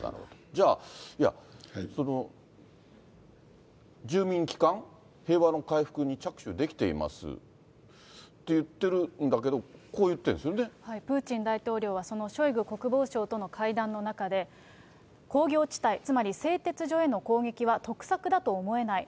じゃあ、住民帰還、平和の回復に着手できていますって言ってるんだけど、プーチン大統領はそのショイグ国防相との会談の中で、工業地帯、つまり製鉄所への攻撃は得策だと思えない。